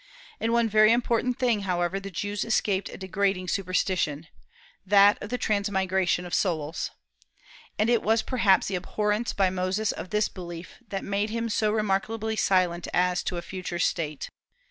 In one very important thing, however, the Jews escaped a degrading superstition, that of the transmigration of souls; and it was perhaps the abhorrence by Moses of this belief that made him so remarkably silent as to a future state.